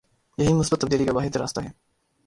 یہی مثبت تبدیلی کا واحد راستہ ہے۔